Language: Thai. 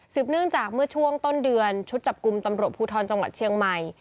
เนื่องจากเมื่อช่วงต้นเดือนชุดจับกลุ่มตำรวจภูทรจังหวัดเชียงใหม่